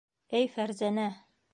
Эй, Фәрзәнә...